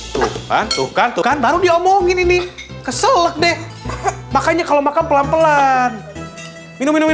tuh hantu hantu kan baru diomongin ini kesel deh makanya kalau makan pelan pelan minum minum